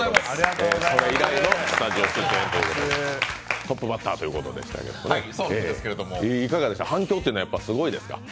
それ以来のスタジオということで、トップバッターということでしたが、いかがですか、反響っていうのは、やっぱりすごいですか？